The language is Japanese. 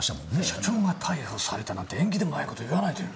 署長が逮捕されたなんて縁起でもないこと言わないでよ。